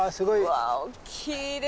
うわ大きいですね。